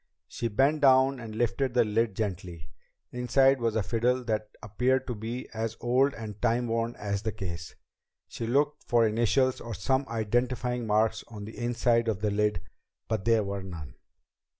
She bent down and lifted the lid gently. Inside was a fiddle that appeared to be as old and time worn as the case. She looked for initials or some identifying mark on the inside of the lid, but there were none.